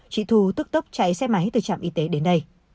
chị thu tức tốc chạy xe máy từ trạm y tế đến đây